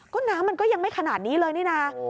ก็น้ำมันก็ยังไม่ขนาดนี้เลยนี่นะ